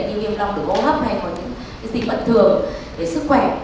như viêm long được ô hấp hay có những cái gì bận thường về sức khỏe